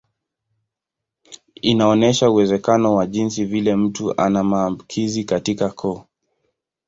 Inaonyesha uwezekano wa jinsi vile mtu ana maambukizi katika koo.